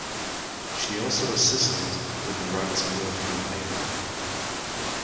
She also assisted with the Right to Work Campaign.